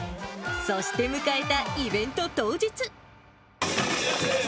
そして迎えたイベント当日。